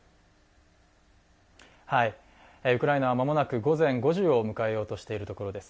ウクライナまもなく午前５時を迎えようとしているところです。